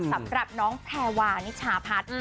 สำหรับน้องแพลวานิจฉาพัด